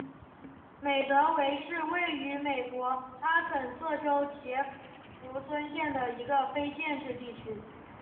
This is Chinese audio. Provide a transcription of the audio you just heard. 米德韦是位于美国阿肯色州杰佛逊县的一个非建制地区。